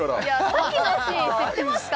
さっきのシーン知ってました？